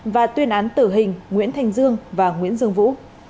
và tuyên án tử hình nguyễn thành dương và nguyễn dương vũ